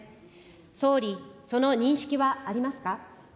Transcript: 総理、その認識はありますか。